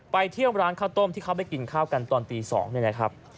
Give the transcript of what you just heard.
ไปเที่ยวร้านข้าวต้มที่เขาไปกินข้าวกันตอนตี๒เนี่ยนะครับ